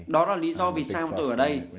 đó là lý do vì sao tôi ở đây